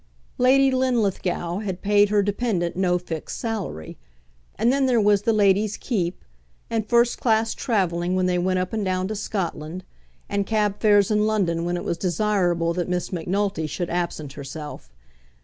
Lady Linlithgow had paid her dependant no fixed salary. And then there was the lady's "keep," and first class travelling when they went up and down to Scotland, and cab fares in London when it was desirable that Miss Macnulty should absent herself.